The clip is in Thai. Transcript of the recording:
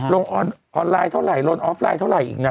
ลงออนไลน์เท่าไหร่ลงออฟไลน์เท่าไหร่อีกนะ